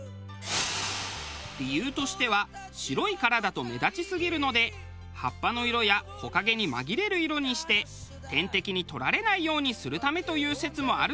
理由としては白い殻だと目立ちすぎるので葉っぱの色や木陰に紛れる色にして天敵にとられないようにするためという説もあるそうです。